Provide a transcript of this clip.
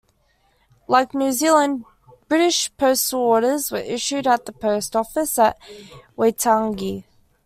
Like New Zealand, British postal orders were issued at the post office at Waitangi.